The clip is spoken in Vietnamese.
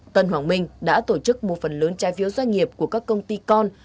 tân hoàng minh đã tổ chức một phần lớn trái phiếu doanh nghiệp của các công ty con